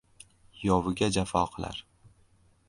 Yoviga jafo qilar.